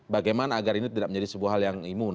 bagaimana agar ini tidak menjadi sebuah hal yang imun